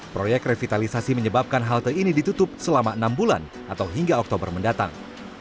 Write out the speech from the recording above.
proyek revitalisasi menyebabkan halte ini ditutup selama enam bulan atau hingga oktober mendatang